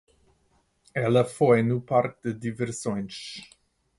Ela foi no parque de diversões.